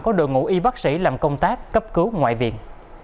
của đội ngũ y bác sĩ làm công tác cấp cứu ngoại viện